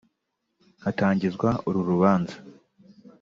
Hatangizwa uru rubanza